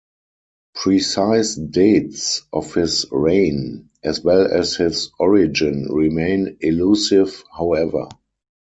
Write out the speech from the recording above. Precise dates of his reign, as well as his origin, remain elusive however.